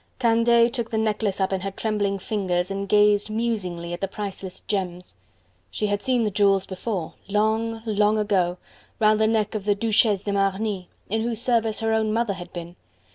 Candeille took the necklace up in her trembling fingers and gazed musingly at the priceless gems. She had seen the jewels before, long, long ago! round the neck of the Duchesse de Marny, in whose service her own mother had been.